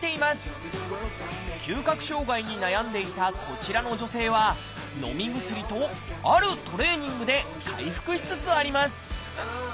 嗅覚障害に悩んでいたこちらの女性はのみ薬とあるトレーニングで回復しつつあります。